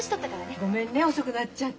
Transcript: ごめんね遅くなっちゃって。